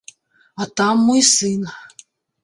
А там мой сын.